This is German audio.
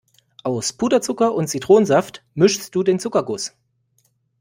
Aus Puderzucker und Zitronensaft mischst du den Zuckerguss.